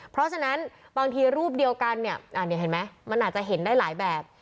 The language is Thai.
เพราะฉะนั้นบางทีรูปเดียวกันเนี่ยเห็นไหมมันอาจจะเห็นได้หลายแบบ